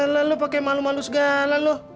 lalu pake malu malu segala lu